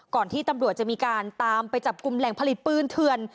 ที่ตำรวจจะมีการตามไปจับกลุ่มแหล่งผลิตปืนเถื่อน